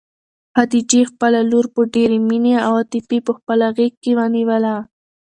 خدیجې خپله لور په ډېرې مینې او عاطفې په خپله غېږ کې ونیوله.